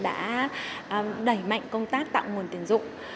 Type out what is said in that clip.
đặc biệt là đoàn tiếp viên đã đẩy mạnh công tác tạo nguồn tuyển dụng